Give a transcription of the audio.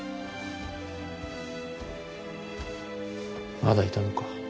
まだいたのか。